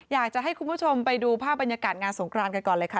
อยากจะให้คุณผู้ชมไปดูภาพบรรยากาศงานสงครานกันก่อนเลยค่ะ